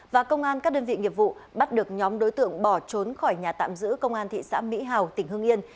và công an các đơn vị nghiệp vụ bắt được nhóm đối tượng bỏ trốn khỏi nhà tạm giữ công an thị xã mỹ hào tỉnh hương yên